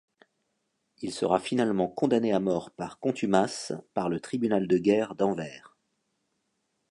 Il sera finalement condamné à mort par contumace par le tribunal de guerre d'Anvers.